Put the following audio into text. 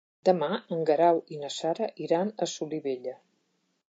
Demà en Guerau i na Sara iran a Solivella.